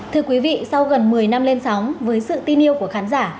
thưa quý vị sau gần một mươi năm lên sóng với sự tin yêu của khán giả